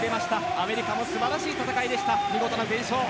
アメリカも素晴らしい戦いでした見事な全勝。